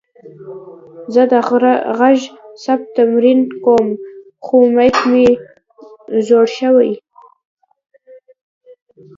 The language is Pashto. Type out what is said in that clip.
زه د غږ ثبت تمرین کوم، خو میک مې زوړ شوې.